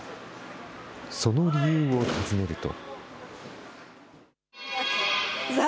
その理由を尋ねると。